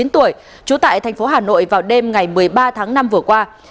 chín tuổi trú tại thành phố hà nội vào đêm ngày một mươi ba tháng năm vừa qua